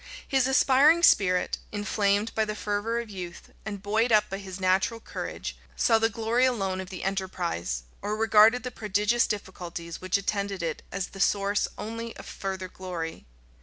His aspiring spirit, inflamed by the fervor of youth, and buoyed up by his natural courage, saw the glory alone of the enterprise, or regarded the prodigious difficulties which attended it as the source only of further glory.